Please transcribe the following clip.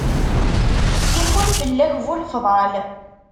Iḥun fell-ak bu lefḍal.